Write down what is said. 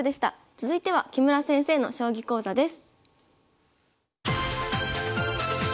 続いては木村先生の将棋講座です。